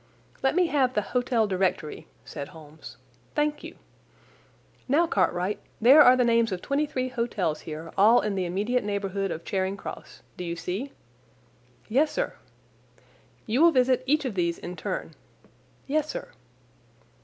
"Let me have the Hotel Directory," said Holmes. "Thank you! Now, Cartwright, there are the names of twenty three hotels here, all in the immediate neighbourhood of Charing Cross. Do you see?" "Yes, sir." "You will visit each of these in turn." "Yes, sir."